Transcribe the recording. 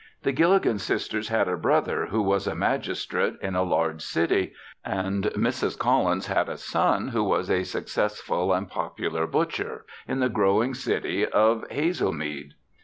The Gilligan sisters had a brother who was a Magistrate in a large city and Mrs. Collins had a son who was a successful and popular butcher in the growing city of Hazelmead.